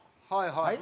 はい。